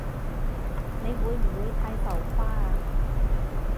你會唔會太浮誇啊？